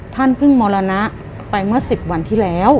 ท่านเพิ่งมรณะไปเมื่อ๑๐วันที่แล้ว